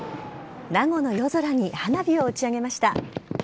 名護の夜空に花火を打ち上げました。